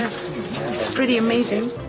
ya itu cukup luar biasa